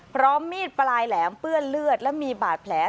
พร้อมมีดปลายแหลมเปื้อนเลือดและมีบาดแผล